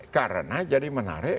karena jadi menarik